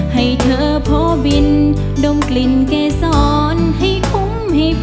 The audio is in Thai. ให้เธอโพบินดมกลิ่นเกษรให้คุ้มให้พอ